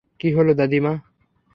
কি হলো, দাদীমা?